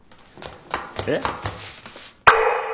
えっ？